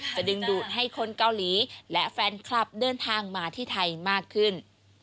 ดึงดูดให้คนเกาหลีและแฟนคลับเดินทางมาที่ไทยมากขึ้น